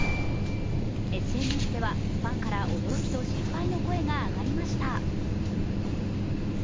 ＳＮＳではファンから驚きと心配の声が上がりました。